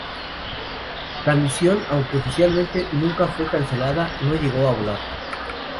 La misión, aunque oficialmente nunca fue cancelada, no llegó a volar.